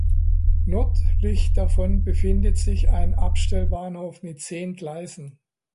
Nördlich davon befindet sich eine Abstellbahnhof mit zehn Gleisen.